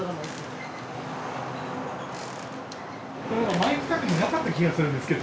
前来た時なかった気がするんですけど。